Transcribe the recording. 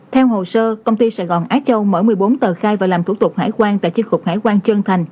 theo hồ sơ công ty sài gòn á châu mở một mươi bốn tờ khai và làm thủ tục hải quan tại chiên cục hải quan trân thành